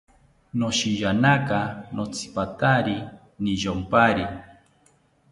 Noshiyanaka notzipatari niyompari